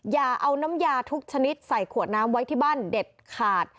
อย่าเอาน้ำยาทุกชนิดใส่ขวดน้ำไว้ที่บ้านเด็ดขาด